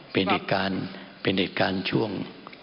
เป็นเหตุการณ์ช่วง